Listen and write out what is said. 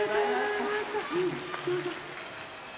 どうぞ。